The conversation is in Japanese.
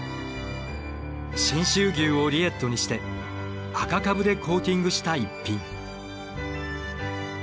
信州牛をリエットにして赤かぶでコーティングした一品。